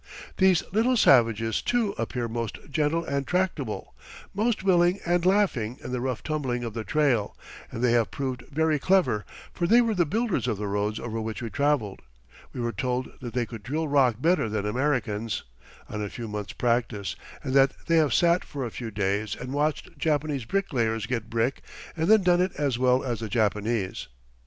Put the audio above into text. These little savages, too, appear most gentle and tractable, most willing and laughing, in the rough tumbling of the trail; and they have proved very clever, for they were the builders of the roads over which we traveled (we were told that they could drill rock better than Americans, on a few months' practice, and that they have sat for a few days and watched Japanese bricklayers set brick, and then done it as well as the Japanese).